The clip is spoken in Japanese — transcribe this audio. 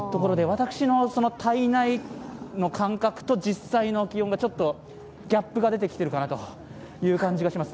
私の体内の感覚と実際の気温がギャップが出てきているかなという感じがします。